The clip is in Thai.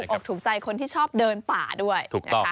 น่าจะถูกออกถูกใจคนที่ชอบเดินป่าด้วย